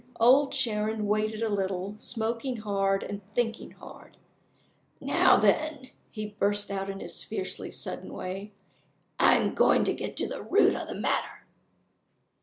Old Sharon waited a little, smoking hard and thinking hard. "Now, then!" he burst out in his fiercely sudden way. "I'm going to get to the root of the matter."